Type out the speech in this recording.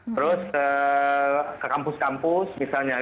terus ke kampus kampus misalnya